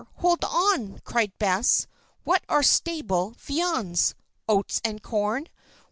Hold on!" cried Bess. "What are 'stable viands'? Oats and corn.